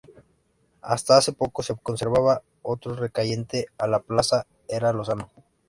Hasta hace poco se conservaba otra recayente a la plaza Era Lozano.